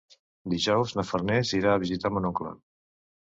Dijous na Farners irà a visitar mon oncle.